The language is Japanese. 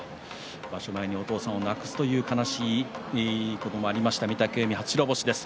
場所前にお父さんを亡くすという悲しいこともありました御嶽海、初白星です。